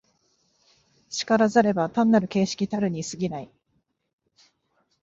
然らざれば単なる形式たるに過ぎない。